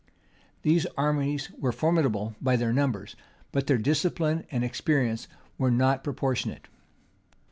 [] These armies were formidable by their numbers; but their discipline and experience were not proportionate.